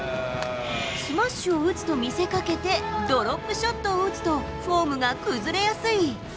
スマッシュを打つと見せかけて、ドロップショットを打つと、フォームが崩れやすい。